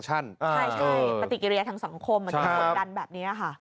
ใช่ปฏิกิริยาทางสังคมมันจะกดดันแบบนี้ค่ะ